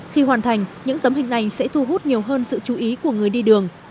khi hoàn thành những tấm hình này sẽ thu hút nhiều hơn sự chú ý của người đi đường